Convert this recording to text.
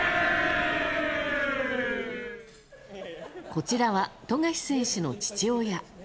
こちらは富樫選手の父親。